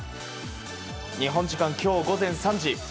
日本時間今日午前３時。